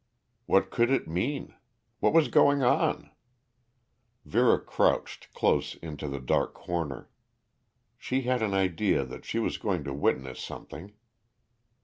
What could it mean? What was going on? Vera crouched close into the dark corner. She had an idea that she was going to witness something.